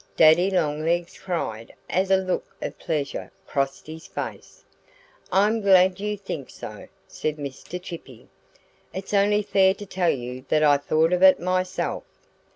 Daddy Longlegs cried, as a look of pleasure crossed his face. "I'm glad you think so," said Mr. Chippy. "It's only fair to tell you that I thought of it myself."